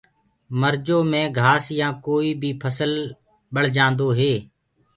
مرجو مينٚ گآس يآ ڪوئي بي ڦسل ڀݪجآندو هي۔